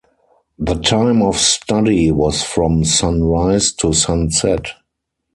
The time of study was from sunrise to sunset.